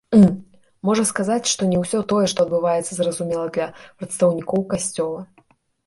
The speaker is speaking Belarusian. Можна сказаць, што не ўсё тое, што адбываецца, зразумела для прадстаўнікоў касцёла.